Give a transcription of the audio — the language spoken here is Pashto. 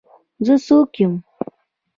زه څوک یم.